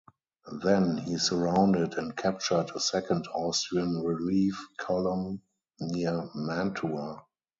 Then he surrounded and captured a second Austrian relief column near Mantua.